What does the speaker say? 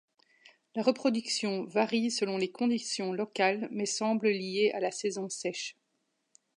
La reproduction varie selon les conditions locales mais semble liée à la saison sèche.